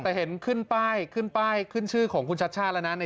แต่เห็นขึ้นป้ายขึ้นป้ายขึ้นชื่อของคุณชัดชาติแล้วนะ